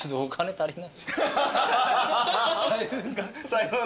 財布が。